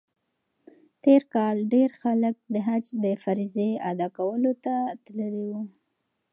تېر کال ډېر خلک د حج د فریضې ادا کولو ته تللي وو.